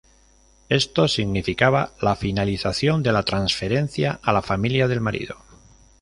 Esto significaba la finalización de la transferencia a la familia del marido.